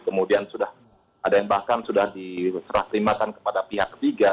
kemudian sudah ada yang bahkan sudah diserah terimakan kepada pihak ketiga